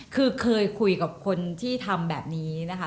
คือเคยคุยกับคนที่ทำแบบนี้นะคะ